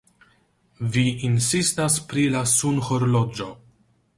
Vi insistas pri la sunhorloĝo.